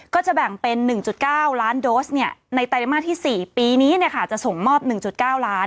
ก็จะแบ่งเป็น๑๙ล้านโดสในไตรมาสที่๔ปีนี้จะส่งมอบ๑๙ล้าน